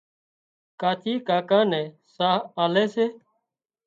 ڪاچي ڪاڪا نين ساهَه آلي سي